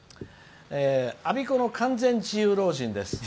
我孫子の完全自由老人です。